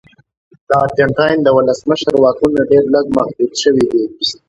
د ارجنټاین د ولسمشر واکونه ډېر لږ محدود شوي دي.